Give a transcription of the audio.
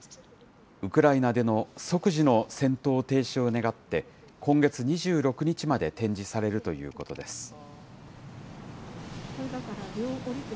ウクライナでの即時の戦闘停止を願って、今月２６日まで展示されるということです。